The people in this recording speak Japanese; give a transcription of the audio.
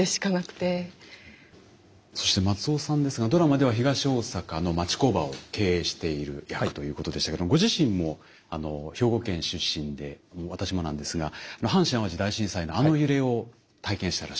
そして松尾さんですがドラマでは東大阪の町工場を経営している役ということでしたけどご自身も兵庫県出身で私もなんですが阪神・淡路大震災のあの揺れを体験してらっしゃる。